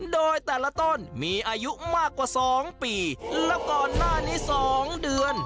โดยแต่ละต้นมีอายุมากกว่า๒ปีแล้วก่อนหน้านี้๒เดือน